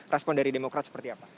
respon dari demokrat seperti apa